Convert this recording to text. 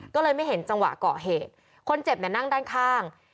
ก็เลยไม่เห็นจังหวะเกาะเหตุคนเจ็บเนี่ยนั่งด้านข้าง